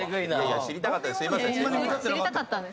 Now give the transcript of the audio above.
知りたかったんです。